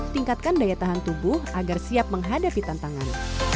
tingkatkan daya tahan tubuh agar siap menghadapi tantangan